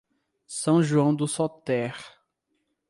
São João do Soter